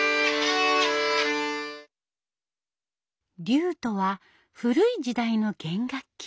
リュートは古い時代の弦楽器。